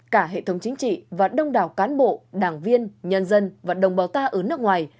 cả hệ thống chính trị và đông đảo cán bộ đảng viên nhân dân và đồng bào ta ở nước ngoài